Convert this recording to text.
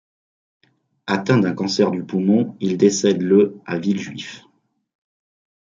Atteint d'un cancer du poumon, il décède le à Villejuif.